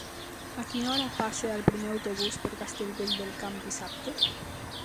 A quina hora passa el primer autobús per Castellvell del Camp dissabte?